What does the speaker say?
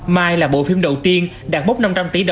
mai là bộ phim đầu tiên đạt bốc năm trăm linh tỷ